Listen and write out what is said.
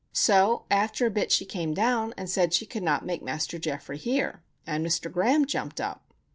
So after a bit she came down, and said she could not make Master Geoffrey hear, and Mr. Graham jumped up.